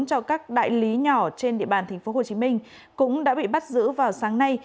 cho các đại lý nhỏ trên địa bàn tp hcm cũng đã bị bắt giữ vào sáng nay